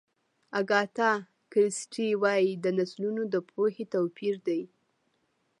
اګاتا کریسټي وایي د نسلونو د پوهې توپیر دی.